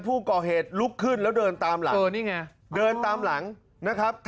ผู้ก่อเหตุลุกขึ้นแล้วเดินตามหลังเดินตามหลังนะครับ